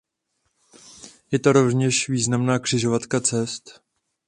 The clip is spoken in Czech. Je to rovněž významná křižovatka cest.